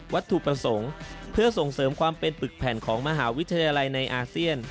ถูกประสงค์เพื่อส่งเสริมความเป็นปึกแผ่นของมหาวิทยาลัยในอาเซียน